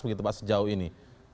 begitu pak sejauh ini